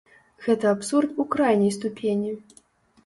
Гэта абсурд у крайняй ступені.